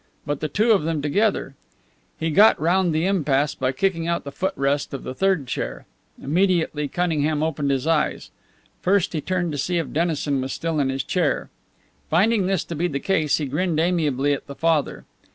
But the two of them together! He got round the impasse by kicking out the foot rest of the third chair. Immediately Cunningham opened his eyes. First he turned to see if Dennison was still in his chair. Finding this to be the case, he grinned amiably at the father.